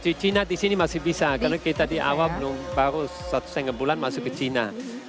di china di sini masih bisa karena kita di awal baru satu setengah bulan masuk ke china